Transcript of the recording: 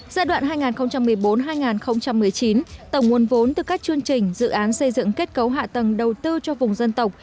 giai đoạn hai nghìn một mươi bốn hai nghìn một mươi chín tổng nguồn vốn từ các chương trình dự án xây dựng kết cấu hạ tầng đầu tư cho vùng dân tộc